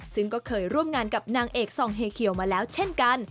ซึ่งก็เคยร่วมงานกับนางเอกซองเฮเขียวมาแล้วเช่นกัน